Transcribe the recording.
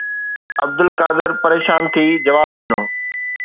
عبدالقادر پريشان ٿي جواب ڏنو